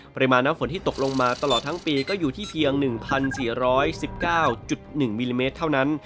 ปริมาณน้ำฝนที่ตกลงมาตลอดทั้งปีก็อยู่ที่เพียง๑๔๑๙๑มิลลิเมตรเท่านั้น